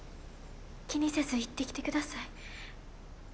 気にせず行ってきて下さい。